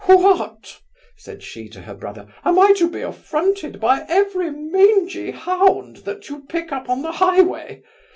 'What! (said she to her brother) am I to be affronted by every mangy hound that you pick up on the highway?